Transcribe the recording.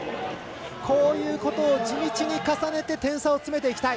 こういうことを地道に重ねて点差を詰めていきたい。